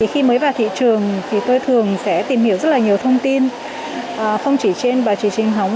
khi mới vào thị trường thì tôi thường sẽ tìm hiểu rất là nhiều thông tin không chỉ trên bà chỉ trình hóng